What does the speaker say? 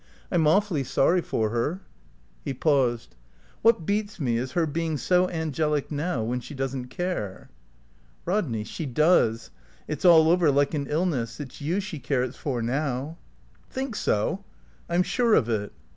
I'm awfully sorry for her." He paused. "What beats me is her being so angelic now, when she doesn't care." "Rodney, she does. It's all over, like an illness. It's you she cares for now." "Think so?" "I'm sure of it."